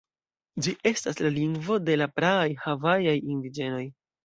Ĝi estas la lingvo de la praaj havajaj indiĝenoj.